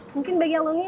mungkin bagi alunnya